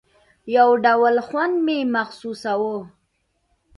يو ډول خوند مې محسوساوه.